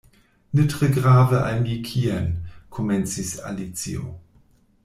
"Ne tre grave al mi kien" komencis Alicio.